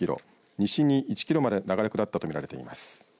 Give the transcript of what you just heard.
西に１キロまで流れ下ったとみられています。